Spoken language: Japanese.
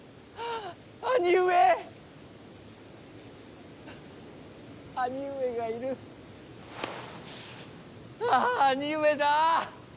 あぁ兄上だ！